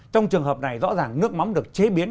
trong trường hợp này rõ ràng nước mắm được chế biến